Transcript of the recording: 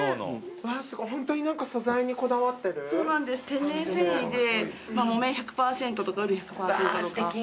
天然繊維で木綿１００％とかウール１００％とか。